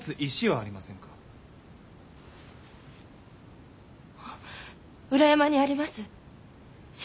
あっ裏山にあります。